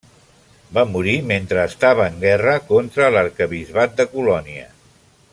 Va morir mentre estava en guerra contra l'arquebisbat de Colònia.